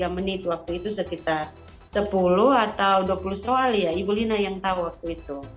tiga menit waktu itu sekitar sepuluh atau dua puluh soal ya ibu lina yang tahu waktu itu